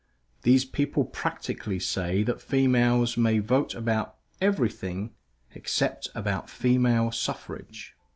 These people practically say that females may vote about everything except about Female Suffrage.